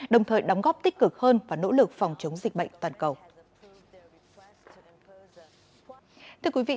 đồng thời đóng góp tích cực hơn và nỗ lực phòng chống dịch bệnh toàn cầu